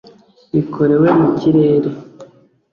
bikorewe mu kirere